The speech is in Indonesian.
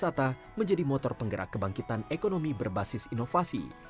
sandiaga uno juga menjadi motor penggerak kebangkitan ekonomi berbasis inovasi